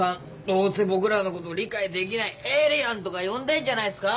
どうせ僕らのこと理解できない「エイリアン」とか呼んでんじゃないっすか！